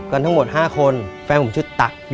รายการต่อไปนี้เป็นรายการทั่วไปสามารถรับชมได้ทุกวัย